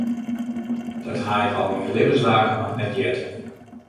Dat ha ik al myn libbensdagen noch net heard.